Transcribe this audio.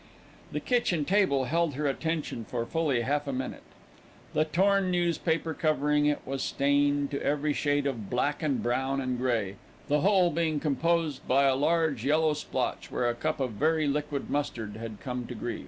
The kitchen table held her attention for fully half a minute. The torn newspaper covering it was stained to every shade of black and brown and grey, the whole being composed by a large yellow splotch, where a cup of very liquid mustard had come to grief.